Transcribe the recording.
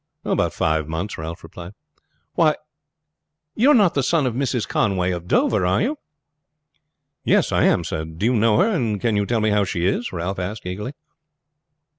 "About five months," Ralph replied. "Why, you are not the son of Mrs. Conway of Dover, are you?" "Yes, I am, sir. Do you know her, and can you tell me how she is?" Ralph asked eagerly.